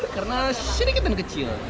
karena sedikit dan kecil